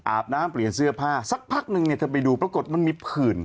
อาบน้ำเปลี่ยนเสื้อผ้าสักพักนึงเนี่ยเธอไปดูปรากฏมันมีผื่น